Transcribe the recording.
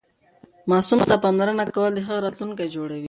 ماسوم ته پاملرنه کول د هغه راتلونکی جوړوي.